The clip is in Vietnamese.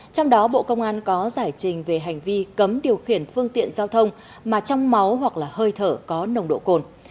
trong đó bộ công an có giải trình về hành vi cấm điều khiển phương tiện giao thông mà trong máu hoặc là hơi thở có nồng độ cồn